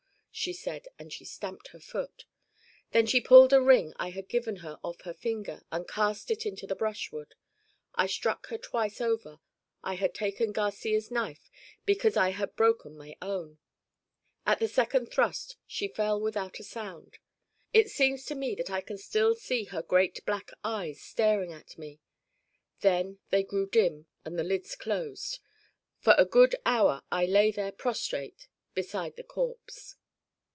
she said and she stamped her foot. Then she pulled a ring I had given her off her finger and cast it into the brushwood. I struck her twice over I had taken Garcia's knife because I had broken my own. At the second thrust she fell without a sound. It seems to me that I can still see her great black eyes staring at me. Then they grew dim and the lids closed. For a good hour I lay there prostrate beside the corpse.